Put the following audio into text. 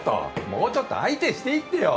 もうちょっと相手していってよ！